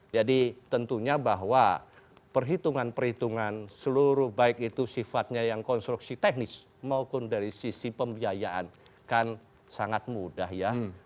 jadi tentunya bahwa perhitungan perhitungan seluruh baik itu sifatnya yang konstruksi teknis maupun dari sisi pembiayaan kan sangat mudah ya